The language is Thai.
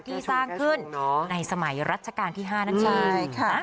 ที่สร้างขึ้นในสมัยรัชกาลที่๕นั่นเอง